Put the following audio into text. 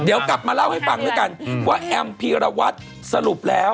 เดี๋ยวกลับมาเล่าให้ฟังแล้วกันว่าแอมพีรวัตรสรุปแล้ว